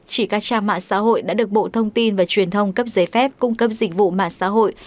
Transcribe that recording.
chỉ các trang mạng xã hội đã được bộ thông tin và truyền thông cấp giấy phép cung cấp dịch vụ mạng xã hội